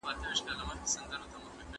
پوهه لرونکې مور د ماشوم نظر اوري.